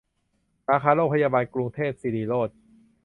สาขาโรงพยาบาลกรุงเทพสิริโรจน์